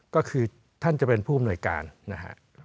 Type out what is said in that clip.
ก็คือท่านจะเป็นผู้บนหน่วยการนะครับ